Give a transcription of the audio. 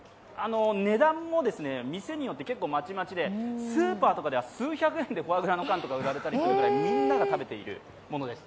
値段も店によってまちまちで、スーパーとかでは数百円でフォアグラの缶が売られているぐらいみんなが食べているものです。